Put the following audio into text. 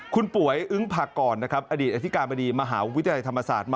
คุณป่วยอึ้งพากรนะครับอดีตอธิการบดีมหาวิทยาลัยธรรมศาสตร์